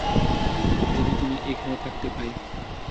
যদি তুমি এখানে থাকতে, ভাই।